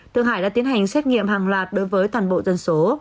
thượng hải đã tiến hành xét nghiệm hàng loạt đối với toàn bộ dân số